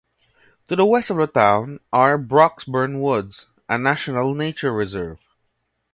To the west of the town are Broxbourne Woods, a National Nature Reserve.